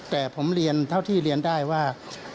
แต่ผมเรียนเท่าที่เรียนได้ว่า